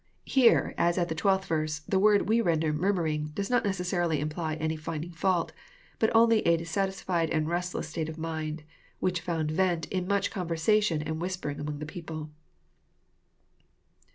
Here, as at the 12th verse, the word we render^^urmurlng " does not necessarily Imply any finding fioiult, but only a dissatis fied and restless state of nuino^^hlcb found vent in much con versation and whispering among the people.